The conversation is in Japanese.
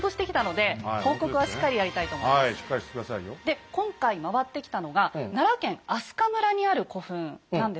で今回回ってきたのが奈良県明日香村にある古墳なんですね。